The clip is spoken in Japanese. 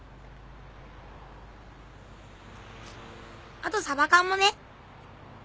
あとさば缶もね。